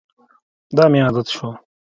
دا مې عادت شو.